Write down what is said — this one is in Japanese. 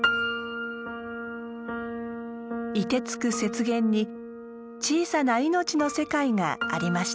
凍てつく雪原に小さな命の世界がありました。